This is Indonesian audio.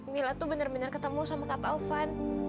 mila tuh benar benar ketemu sama kak taufan